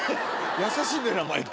優しいんだよな毎回。